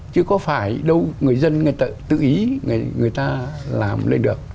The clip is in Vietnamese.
chứ có phải đâu người dân người tự ý người ta làm lên được